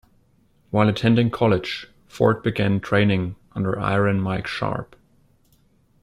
While attending college, Ford began training under "Iron" Mike Sharpe.